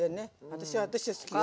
私は私は好きよ。